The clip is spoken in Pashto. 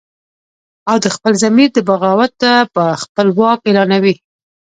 او د خپل ضمیر د بغاوته به خپل واک اعلانوي